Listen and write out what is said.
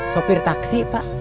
sopir taksi pak